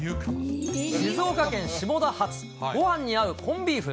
静岡県下田発、ごはんに合うコンビーフ。